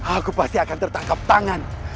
aku pasti akan tertangkap tangan